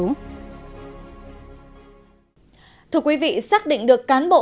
anh thưa quý vị xác định được cán bộ